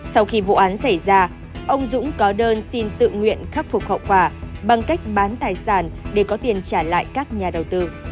sau khi vụ án xảy ra ông dũng có đơn xin tự nguyện khắc phục hậu quả bằng cách bán tài sản để có tiền trả lại các nhà đầu tư